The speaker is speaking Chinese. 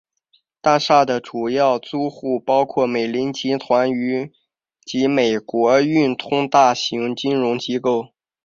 大厦的主要租户包括美林集团及美国运通大型金融机构。